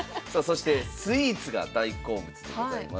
そして「スイーツ」が大好物でございます。